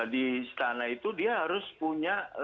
di istana itu dia harus punya